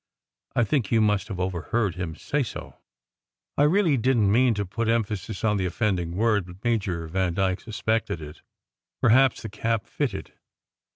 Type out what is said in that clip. "I think you must have overheard him say so." I really didn t mean to put emphasis on the offending word, but Major Vandyke suspected it. Perhaps the cap fitted!